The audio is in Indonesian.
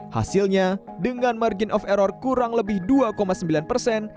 hasilnya dengan margin of error kurang lebih dua sembilan persen